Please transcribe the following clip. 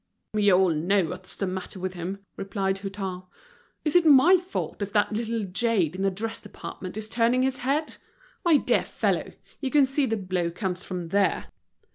"We all know what's the matter with him," replied Hutin, "Is it my fault if that little jade in the dress department is turning his head? My dear fellow, you can see the blow comes from there.